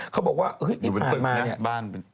เขาบอกว่าอยู่บนตึกเนี่ยบ้านทั้งตึก